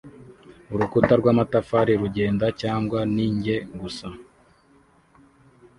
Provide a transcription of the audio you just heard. Urukuta rw'amatafari rugenda cyangwa ni njye gusa?